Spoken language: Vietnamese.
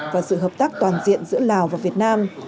và sự hợp tác toàn diện giữa lào và việt nam